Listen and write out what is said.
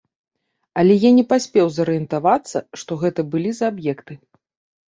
Але я не паспеў зарыентавацца, што гэта былі за аб'екты.